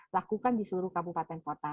lakukan di seluruh kabupaten kota